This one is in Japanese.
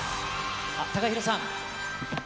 ＴＡＫＡＨＩＲＯさん。